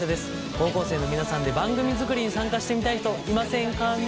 高校生の皆さんで番組作りに参加してみたい人いませんかね？